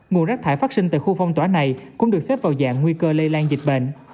nguồn rác thải phát sinh tại khu phong tỏa này cũng được xếp vào dạng nguy cơ lây lan dịch bệnh